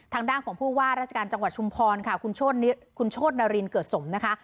ทางด้านของผู้ว่าราชการจังหวัดชุมพรค่ะคุณโชธนารินเกิดสมนะคะ